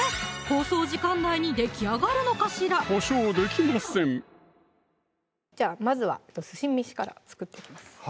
放送時間内にできあがるのかしら保証できませんじゃあまずは寿司飯から作っていきます